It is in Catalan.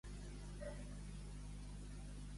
Com un cup.